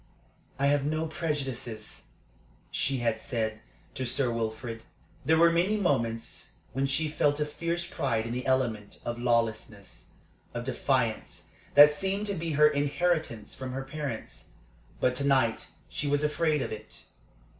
"I have no prejudices," she had said to Sir Wilfrid. There were many moments when she felt a fierce pride in the element of lawlessness, of defiance, that seemed to be her inheritance from her parents. But to night she was afraid of it.